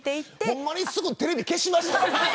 ほんまにすぐテレビ消しましたか。